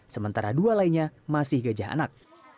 sementara dua lainnya masih gajah anak